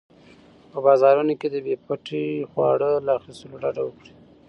په بازارونو کې د بې پټي خواړو له اخیستلو ډډه وکړئ.